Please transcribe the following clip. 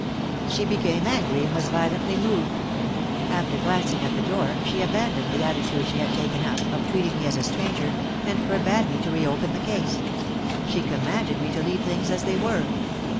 "She became angry, and was violently moved. After glancing at the door, she abandoned the attitude she had taken up, of treating me as a stranger, and forbade me to re open the case; she commanded me to leave things as they were.